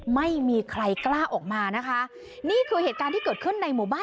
ไม่มีใครกล้าออกมานะคะนี่คือเหตุการณ์ที่เกิดขึ้นในหมู่บ้าน